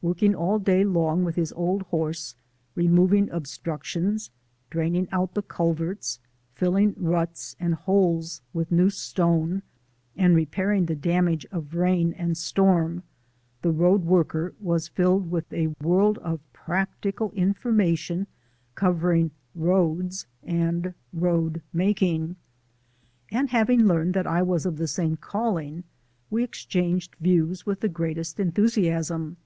Working all day long with his old horse, removing obstructions, draining out the culverts, filling ruts and holes with new stone, and repairing the damage of rain and storm, the road worker was filled with a world of practical information covering roads and road making. And having learned that I was of the same calling, we exchanged views with the greatest enthusiasm.